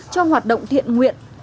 cho hoạt động thiện nguyện